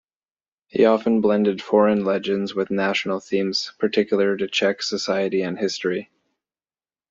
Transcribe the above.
He often blended foreign legends with national themes particular to Czech society and history.